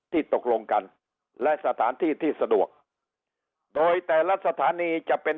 ตกลงกันและสถานที่ที่สะดวกโดยแต่ละสถานีจะเป็น